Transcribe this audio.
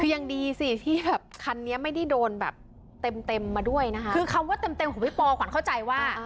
คือยังดีสิที่แบบคันนี้ไม่ได้โดนแบบเต็มเต็มมาด้วยนะคะคือคำว่าเต็มเต็มของพี่ปอขวัญเข้าใจว่า